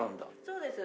そうです。